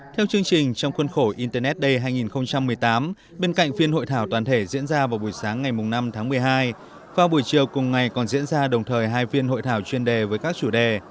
theo chương trình trong khuôn khổ internet day hai nghìn một mươi tám bên cạnh phiên hội thảo toàn thể diễn ra vào buổi sáng ngày năm tháng một mươi hai vào buổi chiều cùng ngày còn diễn ra đồng thời hai phiên hội thảo chuyên đề với các chủ đề